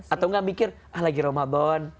atau gak mikir ah lagi ramadan